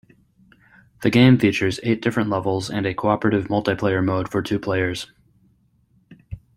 The game features eight different levels and a cooperative multiplayer mode for two players.